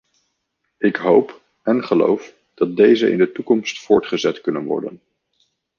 Ik hoop - en geloof - dat deze in de toekomst voortgezet kunnen worden.